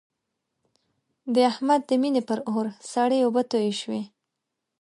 د احمد د مینې پر اور سړې اوبه توی شوې.